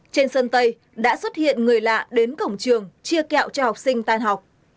trên sân tây đã xuất hiện người lạ đến cổng trường chia kẹo cho học sinh tan học